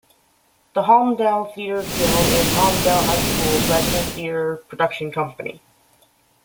The Holmdel Theatre Guild is Holmdel High School's resident theatre production company.